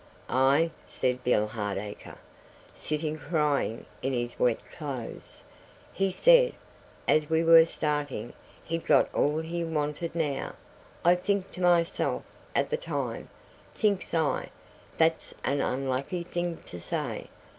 "Aye," said Bill Hardacre, sitting crying in his wet clothes, "he said as we were starting he'd got all he wanted now. I thinks to myself at the time, thinks I, 'That's an unlucky thing to say.'"